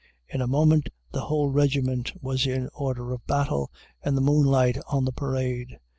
In a moment, the whole regiment was in order of battle in the moonlight on the parade.